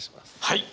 はい。